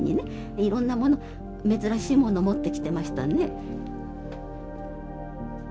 いろんなもの珍しいもの持ってきてましたね。